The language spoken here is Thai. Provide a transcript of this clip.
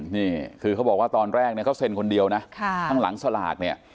นี่คือเขาบอกว่าตอนแรกเนี่ยเขาเซ็นคนเดียวนะข้างหลังสลากเนี่ย